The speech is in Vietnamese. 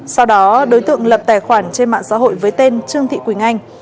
sau đó đối tượng lập tài khoản trên mạng xã hội với tên trương thị quỳnh anh